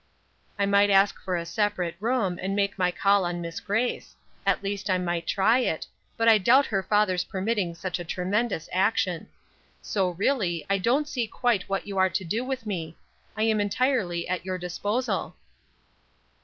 "I might ask for a separate room, and make my call on Miss Grace. At least I might try it; but I doubt her father's permitting such a tremendous action: so, really, I don't see quite what you are to do with me. I am entirely at your disposal."